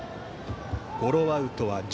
ゴロアウトは１０。